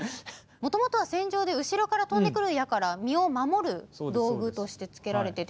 もともとは戦場で後ろから飛んでくる矢から身を守る道具としてつけられてて。